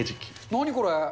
何これ？